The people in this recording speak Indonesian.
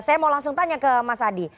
saya mau langsung tanya ke mas adi